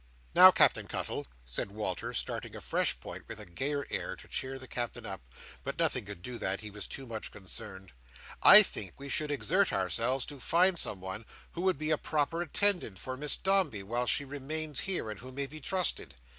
"Now, Captain Cuttle," said Walter, starting a fresh point with a gayer air, to cheer the Captain up—but nothing could do that; he was too much concerned—"I think we should exert ourselves to find someone who would be a proper attendant for Miss Dombey while she remains here, and who may be trusted.